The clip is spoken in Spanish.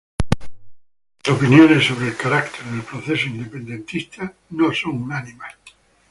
Las opiniones sobre el carácter del proceso independentista no son unánimes.